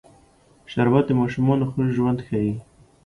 شربت د ماشومانو خوږ ژوند ښيي